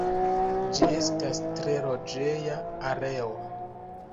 Ĝi estas tre loĝeja areo.